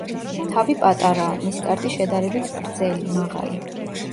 თავი პატარაა, ნისკარტი შედარებით გრძელი, მაღალი.